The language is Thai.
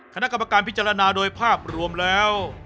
คณะกรรมการพิจารณาโดยภาพรวมแล้ว